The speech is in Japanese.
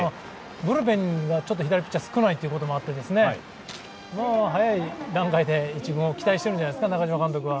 ブルペンがちょっと左ピッチャー少ないということもあって早い段階で１軍を期待しているんじゃないですか、中嶋監督は。